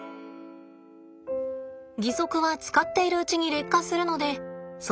義足は使っているうちに劣化するのでそ